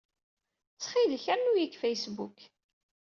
Ttxil-k, rnu-iyi deg Facebook.